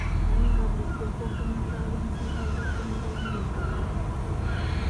Naye nga bulijjo, okuwoggana kwa Byansi kwazukusa mutabani we Kabali.